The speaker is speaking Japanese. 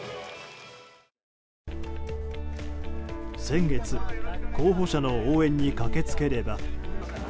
先月、候補者の応援に駆け付ければ。